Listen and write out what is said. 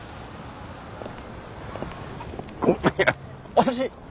私！